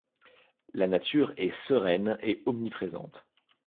La nature est sereine et omniprésente.